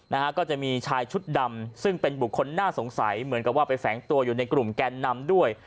นะฮะก็จะมีชายชุดดำซึ่งเป็นบุคคลน่าสงสัยเหมือนกับว่าไปแฝงตัวอยู่ในกลุ่มแกนนำด้วย